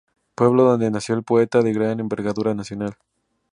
Pueblo donde nació el poeta de gran envergadura nacional.